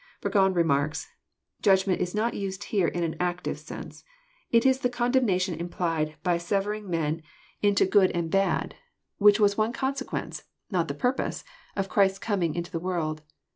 Burgon remarks :Judgment Is not used here In an active sense It is the condemnation implied bj severing men into 172 EXPOSITORT THOUGHTS. ^ood and bad, which was one consequence (not the purpose) of Christ's coming into the world.